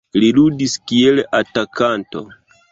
Li ludis kiel atakanto.